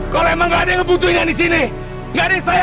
kalau emang ada yang butuhnya di sini dari saya